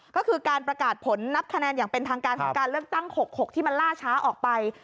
ก็คือการประกาศผลนับคะแนนอย่างเป็นทางการของการเลือกตั้ง๖๖ที่มันล่าช้าออกไป